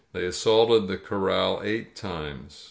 They assaulted the Corral eight times.